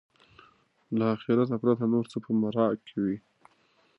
له آخرته پرته نور څه په محراق کې وي.